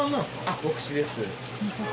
あっ牧師です。